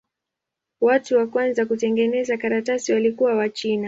Watu wa kwanza kutengeneza karatasi walikuwa Wachina.